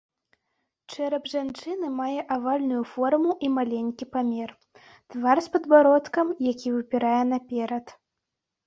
Чэрап жанчыны мае авальную форму і маленькі памер, твар з падбародкам, які выпірае наперад.